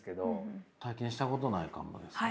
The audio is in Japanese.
体験したことないかもですね。